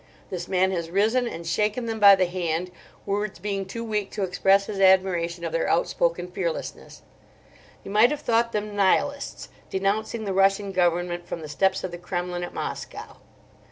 This man has risen and shaken them by the hand, words being too weak to express his admiration of their outspoken fearlessness. You might have thought them Nihilists denouncing the Russian Government from the steps of the Kremlin at Moscow.